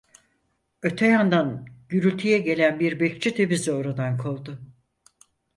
Öte yandan gürültüye gelen bir bekçi de bizi oradan kovdu.